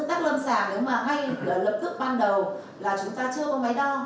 thế còn về tương tác lâm sàng nếu mà ngay lập tức ban đầu là chúng ta chưa có máy đo